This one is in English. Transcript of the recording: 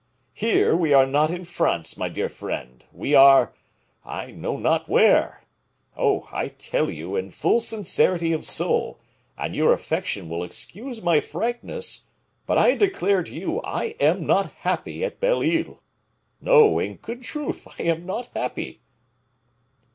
Here, we are not in France, my dear friend; we are I know not where. Oh! I tell you, in full sincerity of soul, and your affection will excuse my frankness, but I declare to you I am not happy at Belle Isle. No; in good truth, I am not happy!"